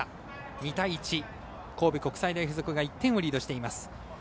２対１、神戸国際大付属が１点をリードしています。